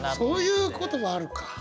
そういうこともあるか。